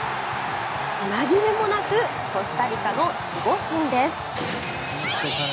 紛れもなくコスタリカの守護神です。